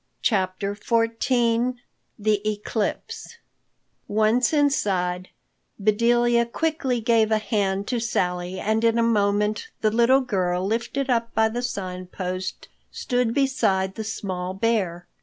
CHAPTER XIV THE ECLIPSE ONCE inside, Bedelia quickly gave a hand to Sally and in a moment the little girl, lifted up by the Sign Post, stood beside the small bear.